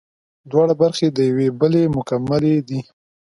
دواړه برخې د یوې بلې مکملې دي